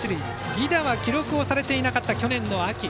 犠打は記録をされていなかった去年の秋。